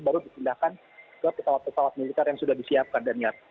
baru dipindahkan ke pesawat pesawat milik tni hu yang sudah disiapkan